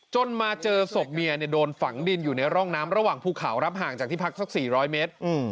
มาเจอศพเมียโดนฝังดินอยู่ในร่องน้ำระหว่างภูเขารับห่างจากที่พักสัก๔๐๐เมตร